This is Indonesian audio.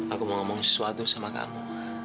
aku mau ngomong sesuatu sama kamu